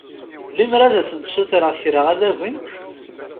Lemmer ad sent-ssutreɣ kra ad agint?